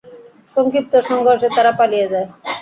সংক্ষিপ্ত সংঘর্ষে তারা পালিয়ে যায়।